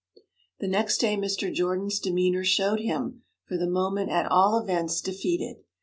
The next day Mr. Jordan's demeanour showed him, for the moment at all events, defeated.